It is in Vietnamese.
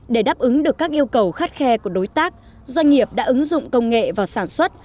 để đáp ứng được các yêu cầu khắt khe của đối tác doanh nghiệp đã ứng dụng công nghệ vào sản xuất